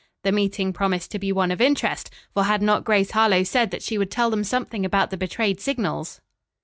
The meeting promised to be one of interest, for had not Grace Harlowe said that she would tell them something about the betrayed signals?